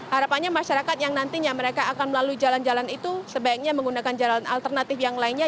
harapannya masyarakat yang nantinya mereka akan melalui jalan jalan itu sebaiknya menggunakan jalan alternatif yang lainnya